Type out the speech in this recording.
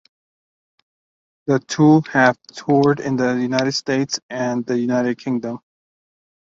The two have toured in the United States and the United Kingdom.